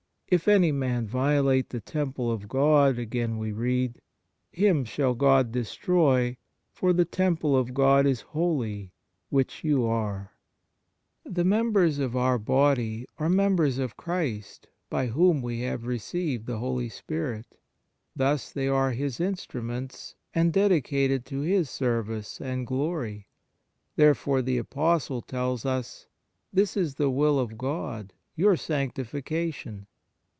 "If any man violate the temple of God," again we read, " him shall God destroy. For the temple of God is holy, which you are." 1 Eph. i. 14. 2 i Cor. vi. 19. 49 THE MARVELS OF DIVINE GRACE The members of our body are members of Christ, by whom we have received the Holy Spirit ; thus they are His instruments and dedicated to His service and glory. Therefore the Apostle tells us: " This is the will of God, your sanctification.